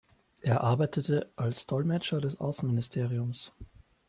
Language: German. Er arbeitete als Dolmetscher des Außenministeriums.